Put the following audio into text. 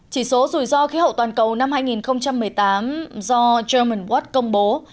chỉ số rủi ro khí hậu toàn cầu năm hai nghìn một mươi tám do german watch công bố